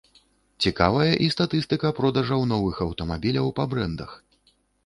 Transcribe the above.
Цікавая і статыстыка продажаў новых аўтамабіляў па брэндах.